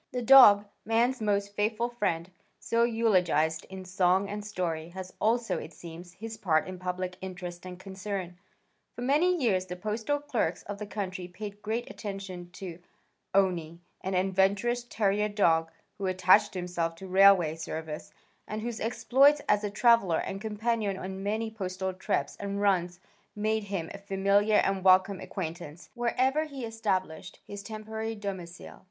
The dog, man's most faithful friend, so eulogized in song and story, has also, it seems, his part in public interest and concern. For many years the postal clerks of the country paid great attention to "Owney" an adventurous terrier dog who attached himself to the Railway Service and whose exploits as a traveler and companion on many postal trips and runs made him a familiar and welcome acquaintance wherever he established his temporary domicile.